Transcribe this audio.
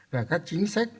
và các chính sách